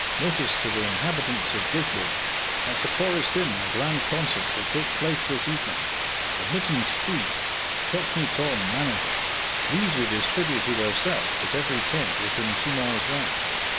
Notice to the inhabitants of Gisborne! At the Forest Inn a grand concert will take place this evening! Admittance free. Cockney Tom, manager.'" These we distributed ourselves at every tent within two miles round.